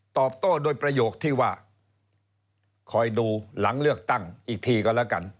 ตอบโต้โดยประโยคที่ว่าคอยดูหลังเลือกตั้งอีกทีก็แล้วกัน